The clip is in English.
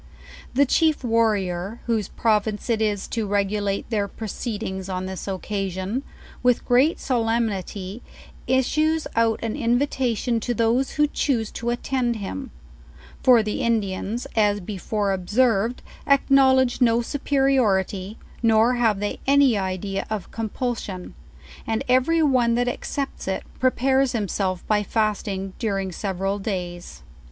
The chief warrior, whose province it is to regulate their proceedings on this occasion, with great solemnity is sues out an invitation to those who choose to attend him; for the Indians, as before observed, acknowledge no superiority, nor have they any idea of compulsion; and every one that accepts it, prepares himself by fasting during several days.